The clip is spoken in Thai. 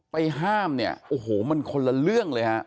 ห้ามเนี่ยโอ้โหมันคนละเรื่องเลยฮะ